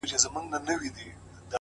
• د سترگو هره ائينه کي مي ستا نوم ليکلی،